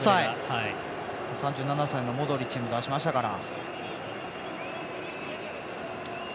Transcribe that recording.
３７歳のモドリッチに出しましたから。